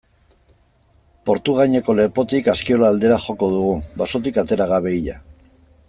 Portugaineko lepotik Askiola aldera joko dugu, basotik atera gabe ia.